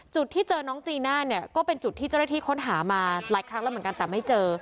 จุดที่เจอน้องจีน่าเนี่ยก็เป็นจุดที่เจ้าหน้าที่ค้นหามาหลายครั้งแล้วเหมือนกันแต่ไม่เจอ